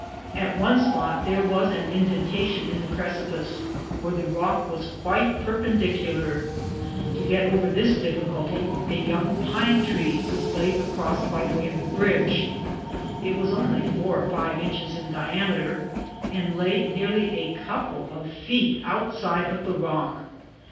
At one spot there was an indentation in the precipice, where the rock was quite perpendicular: to get over this difficulty, a young pine tree was laid across by way of a bridge; it was only four or five inches in diameter, and lay nearly a couple of feet outside of the rock.